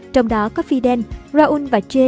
trong đó có fidel raul và che